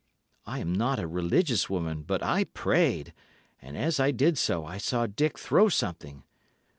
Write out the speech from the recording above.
I am not a religious woman, but I prayed, and as I did so I saw Dick throw something.